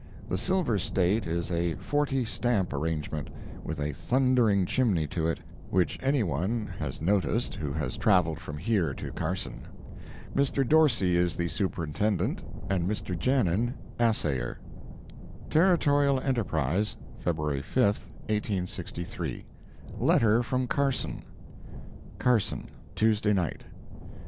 The Silver State is a forty stamp arrangement, with a thundering chimney to it, which any one has noticed who has traveled from here to Carson. Mr. Dorsey is the superintendent, and Mr. Janin assayer. Territorial Enterprise, February 5, 1863 LETTER FROM CARSON CARSON, Tuesday Night.